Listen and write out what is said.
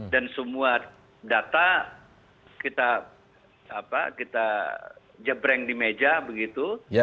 dan semua data kita jebreng di meja begitu